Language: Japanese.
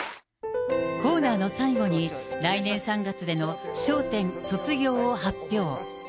コーナーの最後に、来年３月での笑点卒業を発表。